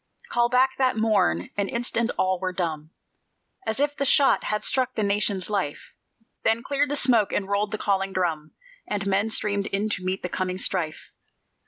Call back that morn: an instant all were dumb, As if the shot had struck the Nation's life; Then cleared the smoke, and rolled the calling drum, And men streamed in to meet the coming strife.